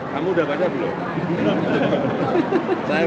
kamu udah baca belum